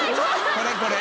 これこれ。